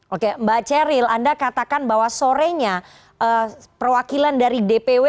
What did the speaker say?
oke mbak ceril anda katakan bahwa sorenya perwakilan dari dpw